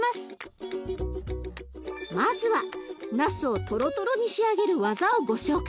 まずはなすをトロトロに仕上げる技をご紹介。